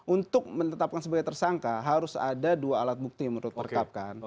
untuk menetapkan sebagai tersangka harus ada dua alat bukti yang menurut perkap kan